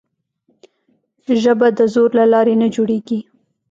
ژبه د زور له لارې نه جوړېږي.